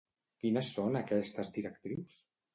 Quines són aquestes directrius?